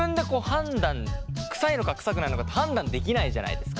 臭いのか臭くないのかって判断できないじゃないですか。